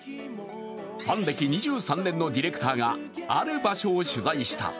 ファン歴２３年のディレクターがある場所を取材した。